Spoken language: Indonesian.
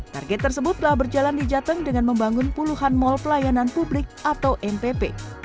target tersebut telah berjalan di jateng dengan membangun puluhan mal pelayanan publik atau npp